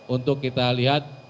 untuk kita lihat